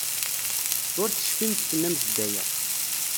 Ur tecfimt tennamt-d aya.